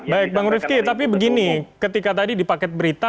baik bang rifki tapi begini ketika tadi di paket berita